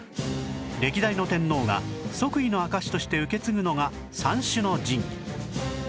歴代の天皇が即位の証しとして受け継ぐのが三種の神器